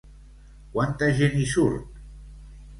Quanta gent hi surt?